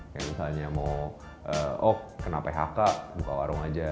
kayak misalnya mau oh kena phk buka warung aja